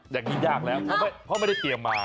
อย่างนี้ยากแล้วเพราะไม่ได้เตรียมมา